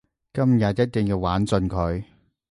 今日一定要玩盡佢